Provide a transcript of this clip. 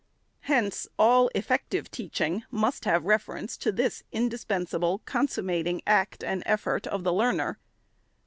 Hence all effective teaching must have reference to this indispensable, consummating act and effort of the learner.